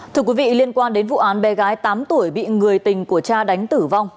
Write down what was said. thưa quý vị liên quan đến vụ án bé gái tám tuổi bị người tình của cha đánh tử vong